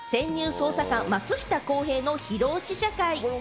捜査官松下洸平』の披露試写会。